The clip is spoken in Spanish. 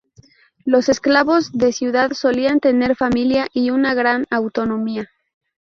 Los esclavos de ciudad solían tener familia y una gran autonomía.